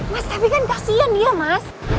mas tapi kan kasihan dia mas